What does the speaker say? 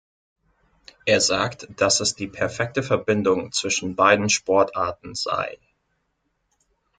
Er sagt, dass es die perfekte Verbindung zwischen beiden Sportarten sei.